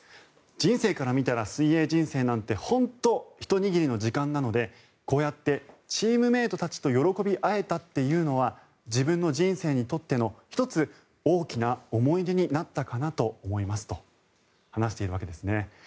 人生から見たら水泳人生なんてほんとひと握りの時間なのでこうやってチームメートたちと喜び合えたっていうのは自分の人生にとっての１つ、大きな思い出になったかなと思いますと話しているわけですね。